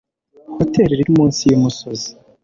Hoteri iri munsi yumusozi.